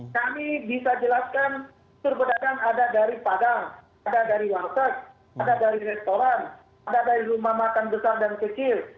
kami bisa jelaskan sur pedagang ada dari padang ada dari warteg ada dari restoran ada dari rumah makan besar dan kecil